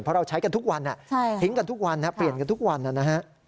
เพราะเราใช้กันทุกวันทิ้งกันทุกวันเปลี่ยนกันทุกวันนะฮะ